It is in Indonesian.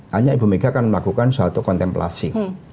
hanya ibu mega akan melakukan suatu kontemplasi